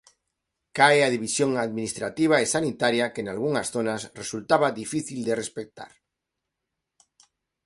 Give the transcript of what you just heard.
Cae a división administrativa e sanitaria que nalgunhas zonas resultaba difícil de respectar.